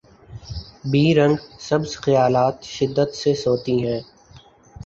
be رنگ سبز خیالات شدت سے سوتی ہیں